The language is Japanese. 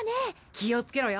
気をつけろよ。